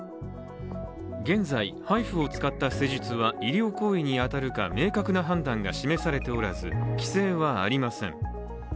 現在、ＨＩＦＵを使った施術は医療行為に当たるか明確な判断が示されておらず、規制はありません。